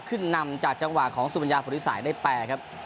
ขึ้นนำจากจังหวะของสุบัญญาภูริสายได้แปลครับ